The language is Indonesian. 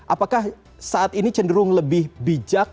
apakah saat ini cenderung lebih bijak